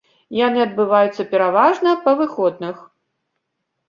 Яны адбываюцца пераважна па выходных.